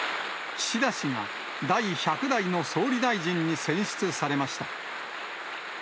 岸田氏が第１００代の総理大臣に選出されました。